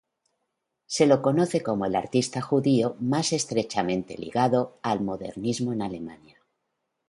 Se lo conoce como el artista judío más estrechamente ligado al modernismo en Alemania.